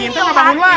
kita gak bangun lagi